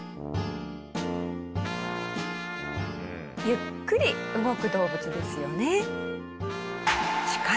ゆっくり動く動物ですよね。